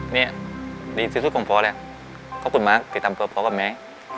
เนี่ยดีสุดสุดของพ่อแหละขอบคุณมาร์คที่ทำเพื่อพ่อกับแม่